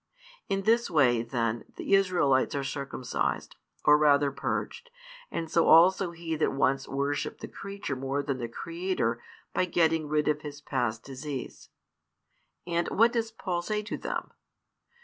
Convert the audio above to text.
In this way, then, the Israelites are circumcised, or rather purged, and so also he that once worshipped the creature more than the Creator, by getting rid of his past disease. And what does Paul say to them?